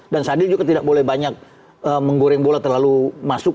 dan sadir juga tidak boleh banyak menggoreng bola terlalu masuk